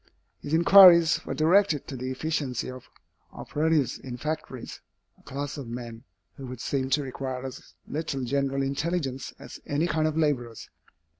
His inquiries were directed to the efficiency of operatives in factories, a class of men who would seem to require as little general intelligence as any kind of laborers.